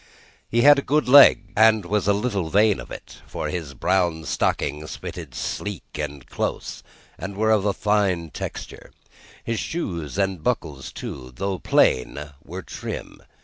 He had a good leg, and was a little vain of it, for his brown stockings fitted sleek and close, and were of a fine texture; his shoes and buckles, too, though plain, were trim.